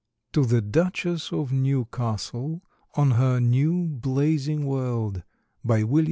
To The Duchesse of Newcastle, On Her New Blazing World.